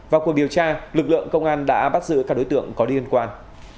vào cuộc điều tra lực lượng công an đã bắt giữ các đối tượng có liên quan